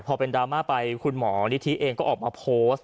พอเป็นดราม่าไปคุณหมอนิธิเองก็ออกมาโพสต์